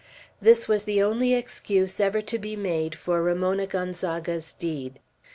This was the only excuse ever to be made for Ramona Gonzaga's deed.